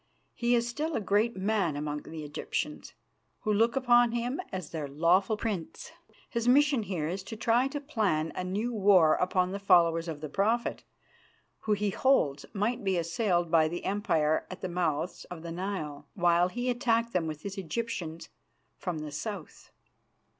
He is still a great man among the Egyptians, who look upon him as their lawful prince. His mission here is to try to plan a new war upon the followers of the Prophet, who, he holds, might be assailed by the Empire at the mouths of the Nile, while he attacked them with his Egyptians from the south."